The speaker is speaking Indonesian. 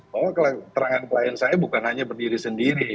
bahwa keterangan klien saya bukan hanya berdiri sendiri